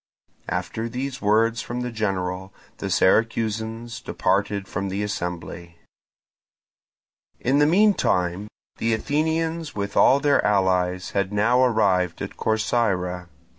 After these words from the general, the Syracusans departed from the assembly. In the meantime the Athenians with all their allies had now arrived at Corcyra.